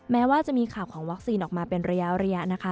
แม้ว่าจะมีข่าวของวัคซีนออกมาเป็นระยะนะคะ